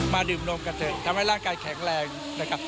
ดื่มนมกันเถอะทำให้ร่างกายแข็งแรงนะครับ